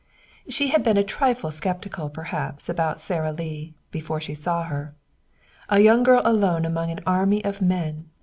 She had been a trifle skeptical perhaps about Sara Lee before she saw her. A young girl alone among an army of men!